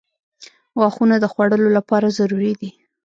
• غاښونه د خوړلو لپاره ضروري دي.